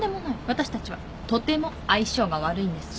私たちはとても相性が悪いんです。